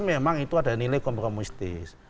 memang itu ada nilai kompromistis